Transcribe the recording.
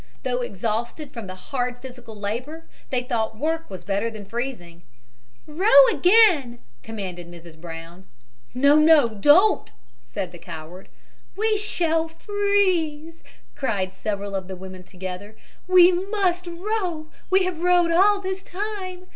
Though exhausted from the hard physical labor they thought work was better than freezing. "Row again!" commanded Mrs. Brown. "No, no, don't," said the coward. "We shall freeze," cried several of the women together. "We must row. We have rowed all this time.